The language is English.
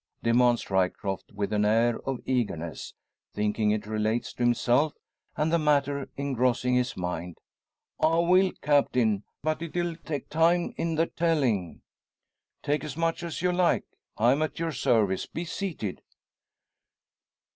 demands Ryecroft, with an air of eagerness, thinking it relates to himself and the matter engrossing his mind. "I will, Captain. But it'll take time in the tellin'." "Take as much as you like. I'm at your service. Be seated."